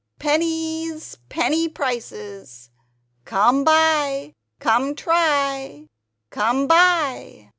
Penny's penny prices! Come buy, come try, come buy!"